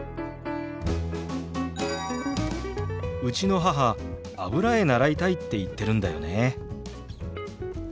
うちの母油絵習いたいって言ってるんだよね。